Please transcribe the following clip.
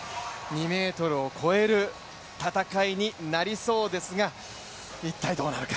２ｍを超える戦いになりそうですが一体どうなるか。